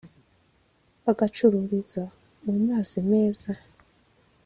bagacururiza mu mazi meza